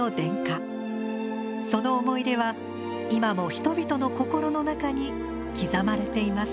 その思い出は今も人々の心の中に刻まれています。